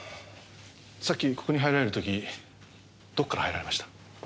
さっきここに入られる時どこから入られました？